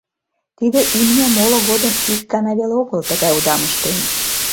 Тиде имне моло годым ик гана веле огыл тыгай удам ыштен.